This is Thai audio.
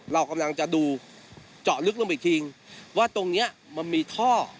เรากำลังจะดูเจาะลึกลงไปอีกทีว่าตรงเนี้ยมันมีท่อ